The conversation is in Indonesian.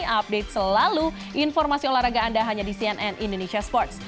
update selalu informasi olahraga anda hanya di cnn indonesia sports